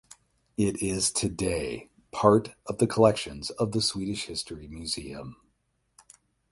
It is today part of the collections of the Swedish History Museum.